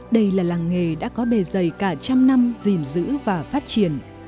đây là làng nghề đã có bề dày cả trăm năm gìn giữ và phát triển